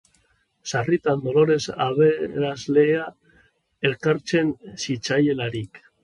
Sarritan Dolores abeslaria elkartzen zitzaielarik.